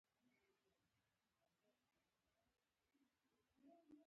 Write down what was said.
هر وخت به یې نه خوړلې چې خلاصې نه شي.